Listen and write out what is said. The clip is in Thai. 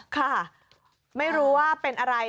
ค่ะไม่รู้ว่าเป็นอะไร